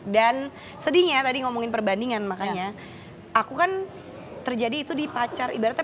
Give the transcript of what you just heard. dan sedihnya tadi ngomongin perbandingan makanya aku kan terjadi itu di pacar ibaratnya